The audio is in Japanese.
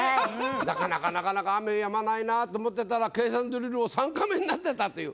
なかなかなかなか雨止まないなと思ってたら計算ドリルを３回目になってたという。